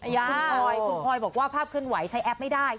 คุณพลอยคุณพลอยบอกว่าภาพเคลื่อนไหวใช้แอปไม่ได้